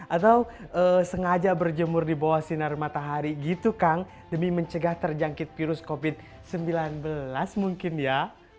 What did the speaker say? atau sengaja berjemur di bawah sinar matahari gitu kang demi mencegah terjangkit virus covid sembilan belas mungkin ya